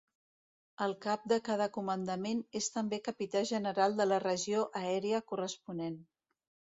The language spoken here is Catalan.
El cap de cada comandament és també capità general de la regió aèria corresponent.